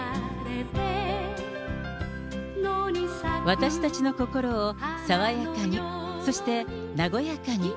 私たちの心を爽やかに、そして和やかに。